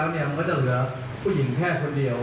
ไม่ยอมเขาก็ทำร้ายแล้วผมเขิน